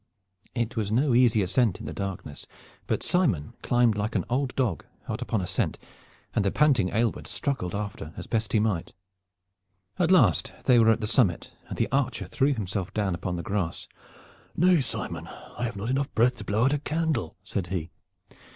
It was no easy ascent in the darkness, but Simon climbed on like an old dog hot upon a scent, and the panting Aylward struggled after as best he might. At last they were at the summit and the archer threw himself down upon the grass. "Nay, Simon, I have not enough breath to blow out a candle," said he.